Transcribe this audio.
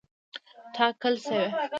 ټاکل شوې.